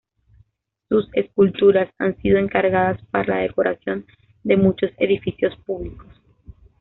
Sus esculturas han sido encargadas para la decoración de muchos edificios públicos.